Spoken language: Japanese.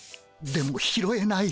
でも拾えない。